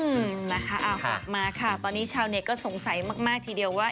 นะคะเอากลับมาค่ะตอนนี้ชาวเน็ตก็สงสัยมากทีเดียวว่า